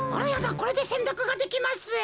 これでせんたくができます。